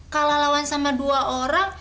kalah lawan sama dua orang